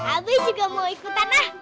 aku juga mau ikutan ah